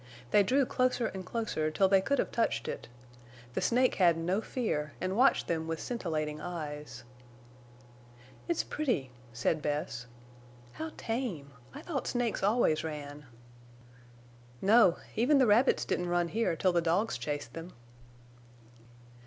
They drew closer and closer till they could have touched it. The snake had no fear and watched them with scintillating eyes. "It's pretty," said Bess. "How tame! I thought snakes always ran." "No. Even the rabbits didn't run here till the dogs chased them."